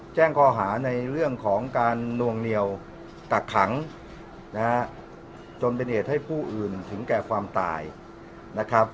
แจ้งข้อหาในเรื่องของการนวงเหนียวกักขังนะฮะจนเป็นเหตุให้ผู้อื่นถึงแก่ความตายนะครับ